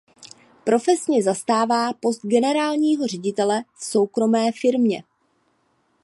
Profesně zastává post generálního ředitele v soukromé firmě.